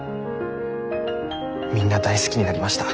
みんな大好きになりました。